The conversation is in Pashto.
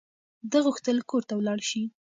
ده غوښتل کور ته ولاړ شي.